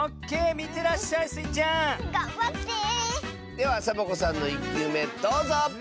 ではサボ子さんの１きゅうめどうぞ！